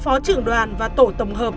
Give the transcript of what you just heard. phó trưởng đoàn và tổ tổng hợp